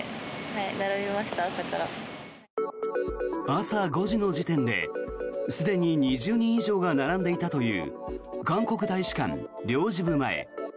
朝５時の時点で、すでに２０人以上が並んでいたという韓国大使館領事部前。